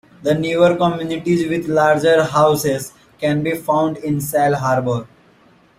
The newer communities with larger houses can be found in Sail Harbor.